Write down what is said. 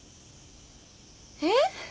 えっ？